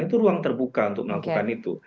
itu ruang terbuka untuk melakukan itu